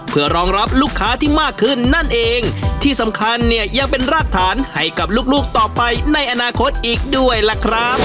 เพื่อรองรับลูกค้าที่มากขึ้นนั่นเองที่สำคัญเนี่ยยังเป็นรากฐานให้กับลูกลูกต่อไปในอนาคตอีกด้วยล่ะครับ